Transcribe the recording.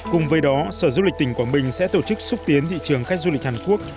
cùng với đó sở du lịch tỉnh quảng bình sẽ tổ chức xúc tiến thị trường khách du lịch hàn quốc